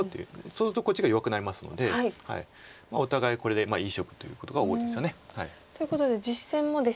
そうするとこっちが弱くなりますのでお互いこれでいい勝負ということが多いですよね。ということで実戦もですね